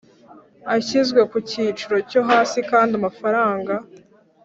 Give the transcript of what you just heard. ashyizwe ku cyiciro cyo hasi kandi amafaranga